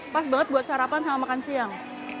pas banget buat sarapan sama makan siang